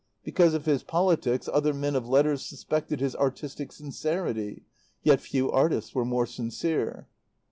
Because of his politics other men of letters suspected his artistic sincerity; yet few artists were more sincere.